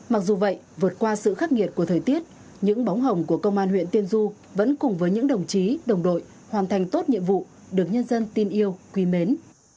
mặc dù vậy vượt qua sự khắc nghiệt của thời tiết những bóng hồng của công an huyện tiên du vẫn cùng với những đồng chí đồng đội hoàn thành tốt nhiệm vụ được nhân dân tin yêu quý mến